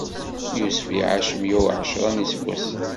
Yusef iɛac meyya uɛecṛa n iseggasen.